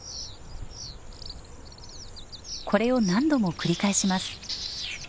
これを何度も繰り返します。